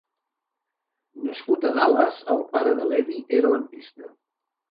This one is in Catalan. Nascut a Dallas, el pare de Levy era lampista.